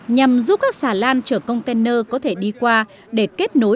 nhằm giúp các xà lan có thể đi qua cầu bình lợi